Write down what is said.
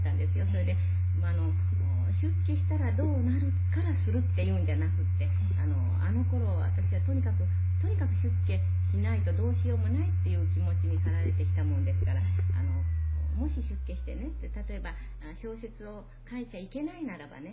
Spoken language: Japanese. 「それで出家したらどうなるからするっていうんじゃなくてあの頃は私はとにかくとにかく出家しないとどうしようもないっていう気持ちに駆られてしたものですからもし出家してね例えば小説を書いちゃいけないならばね